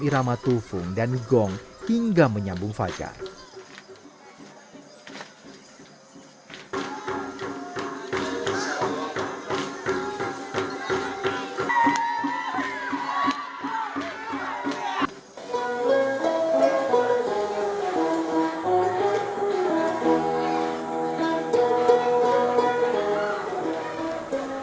irama irama tersebut dan menari juga berjalan dengan baik baik saja